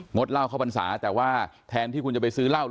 ดเหล้าเข้าพรรษาแต่ว่าแทนที่คุณจะไปซื้อเหล้า